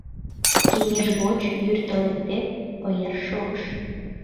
Кеҥеж гоч, йӱр толде, ояр шогыш.